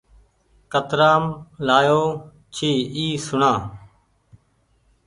ڪترآم لآيو ڇي اي سوڻآ ۔